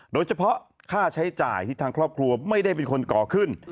โดยเฉพาะค่าใช้จ่ายที่ทางครอบครัวไม่ได้เป็นคนก่อขึ้น